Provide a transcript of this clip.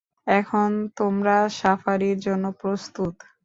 এখন তোমরা সাফারির জন্য প্রস্তুত।